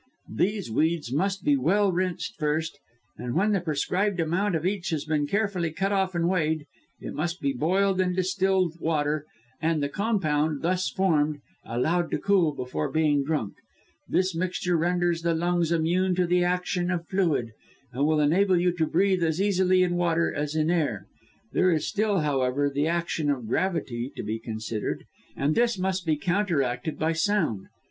These weeds must be well rinsed first; and when the prescribed amount of each has been carefully cut off and weighed, it must be boiled in the distilled water, and the compound, thus formed, allowed to cool before being drunk. This mixture renders the lungs immune to the action of fluid, and will enable you to breathe as easily in water as in air. There is still, however, the action of gravity to be considered, and this must be counteracted by sound.